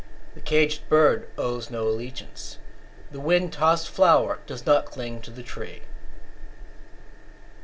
The caged bird owes no allegiance; The wind tossed flower does not cling to the tree.